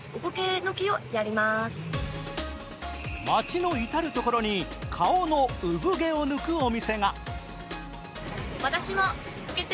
街の至る所に顔の産毛を抜くお店が。